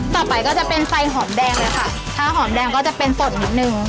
ต่อไปก็จะเป็นไฟหอมแดงเลยค่ะถ้าหอมแดงก็จะเป็นสดนิดนึง